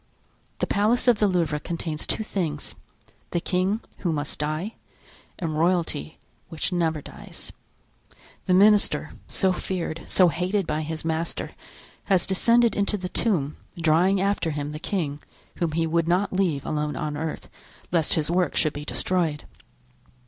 The Palace of the Louvre contains two things—the king, who must die, and royalty, which never dies. The minister, so feared, so hated by his master, has descended into the tomb, drawing after him the king, whom he would not leave alone on earth, lest his work should be destroyed.